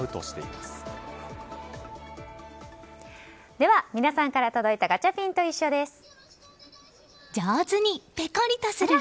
それでは皆さんから届いたガチャピンといっしょ！です。